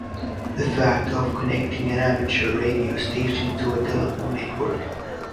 The fact of connecting an amateur radio station to a telephone network.